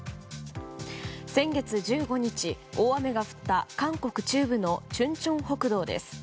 先月１５日、大雨が降った韓国中部のチュンチョン北道です。